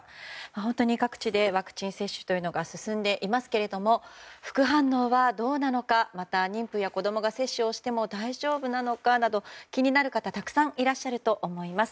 本当に各地でワクチン接種が進んでいますけれども副反応は、どうなのかまた妊婦や子供が接種しても大丈夫なのかなど、気になる方はたくさんいらっしゃると思います。